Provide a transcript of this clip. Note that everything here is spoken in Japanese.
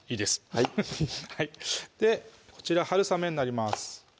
はいこちらはるさめになります